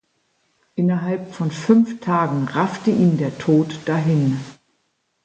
Innerhalb von fünf Tagen raffte ihn der Tod dahin.